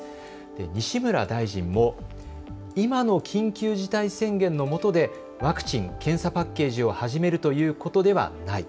西村大臣も今の緊急事態宣言のもとで、ワクチン・検査パッケージを始めるということではない。